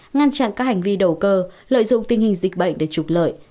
ngăn chặn các hành vi đầu cơ lợi dụng tình hình dịch bệnh để trục lợi